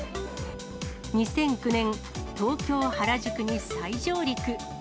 ２００９年、東京・原宿に再上陸。